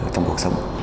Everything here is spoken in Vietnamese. trong cuộc sống